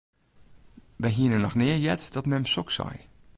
Wy hiene noch nea heard dat mem soks sei.